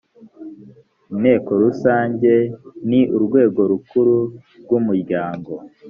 inteko rusange ni urwego rukuru rw umuryango